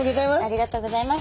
ありがとうございます。